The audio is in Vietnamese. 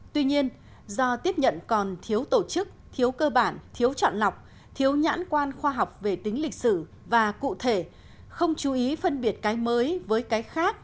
tuy nhiên do tiếp nhận còn thiếu tổ chức thiếu cơ bản thiếu chọn lọc thiếu nhãn quan khoa học về tính lịch sử và cụ thể không chú ý phân biệt cái mới với cái khác